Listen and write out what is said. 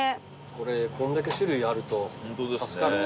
これこんだけ種類あると助かるね。